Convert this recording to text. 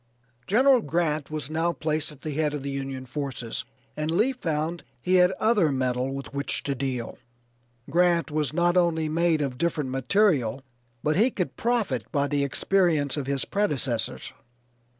General Grant was now placed at the head of the Union forces and Lee found he had other metal with which to deal. Grant was not only made of different material but he could profit by the experience of his predecessors.